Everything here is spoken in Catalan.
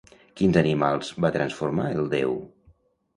Quins animals va transformar el déu?